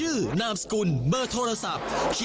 เข้าใกล้เป็นผู้โชคดี